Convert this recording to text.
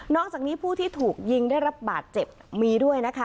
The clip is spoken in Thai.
จากนี้ผู้ที่ถูกยิงได้รับบาดเจ็บมีด้วยนะคะ